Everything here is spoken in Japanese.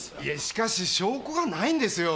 しかし証拠がないんですよ。